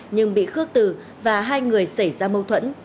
nhưng bị khước tử và hai người xảy ra mâu thuẫn